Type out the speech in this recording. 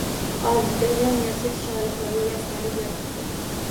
Oldida yam-yashil sholipoya yastanib yotibdi